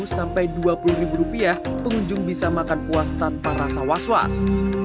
sampai rp dua puluh pengunjung bisa makan puas tanpa rasa was was